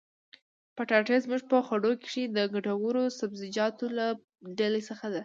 پټاټې زموږ په خوړو کښي د ګټورو سبزيجاتو له ډلي څخه دي.